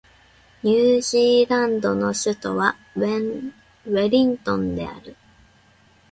ニュージーランドの首都はウェリントンである